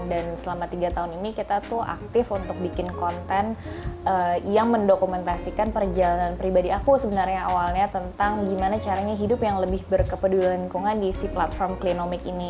dan selama tiga tahun ini kita tuh aktif untuk bikin konten yang mendokumentasikan perjalanan pribadi aku sebenarnya awalnya tentang gimana caranya hidup yang lebih berkepedulian lingkungan di si platform klinomik ini